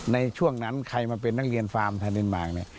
ในช่วงนั้นใครมาเป็นนักเรียนฟาร์มแทนเดนมาร์คเนี่ย